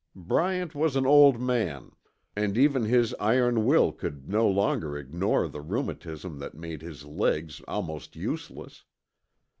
Bryant was an old man, and even his iron will could no longer ignore the rheumatism that made his legs almost useless.